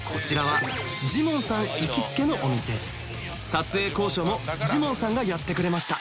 撮影交渉もジモンさんがやってくれました